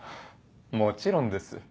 もちろんです。